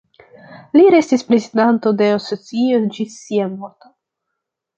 Li restis prezidanto de asocio ĝis sia morto.